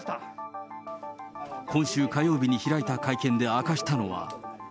今週火曜日に開いた会見で明かしたのは。